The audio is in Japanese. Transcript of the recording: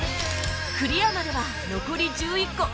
クリアまでは残り１１個